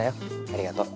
ありがとう。